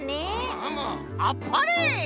うむうむあっぱれ！